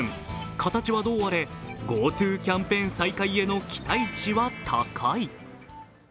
形はどうあれＧｏＴｏキャンペーン再開への期待値は高い。